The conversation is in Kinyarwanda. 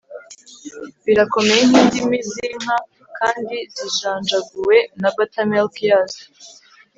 birakomeye nkindimi zinka kandi zijanjaguwe na buttermilk yazo